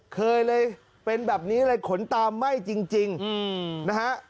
เคยเลยเป็นแบบนี้เลยขนตาไหม้จริงนะฮะ